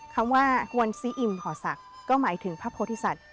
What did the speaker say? คำว่ากวนซีอิ่มหอศักดิ์ก็หมายถึงพระโพธิสัตว